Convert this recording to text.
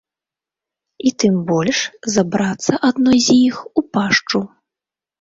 І тым больш забрацца адной з іх у пашчу.